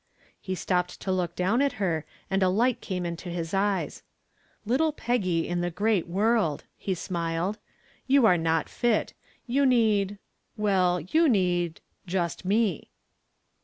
He stopped to look down at her and a light came into his eyes. "Little Peggy in the great world," he smiled; "you are not fit. You need well, you need just me."